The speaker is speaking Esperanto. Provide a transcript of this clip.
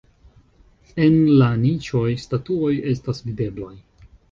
En la niĉoj statuoj estas videblaj.